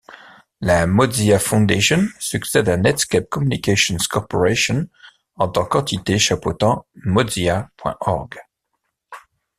La Mozilla Foundation succède à Netscape Communications Corporation en tant qu'entité chapeautant Mozilla.org.